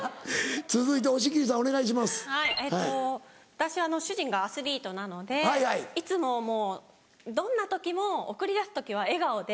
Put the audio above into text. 私主人がアスリートなのでいつもどんな時も送り出す時は笑顔で。